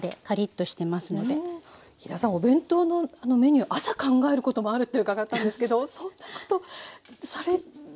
飛田さんお弁当のメニュー朝考えることもあるって伺ったんですけどそんなことされるんですか？